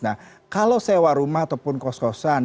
nah kalau sewa rumah ataupun kos kosan